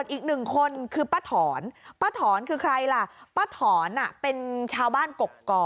อีกหนึ่งคนคือป้าถอนป้าถอนคือใครล่ะป้าถอนเป็นชาวบ้านกกอก